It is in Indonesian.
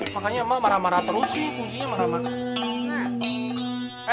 makanya mama marah marah terus sih kuncinya marah marah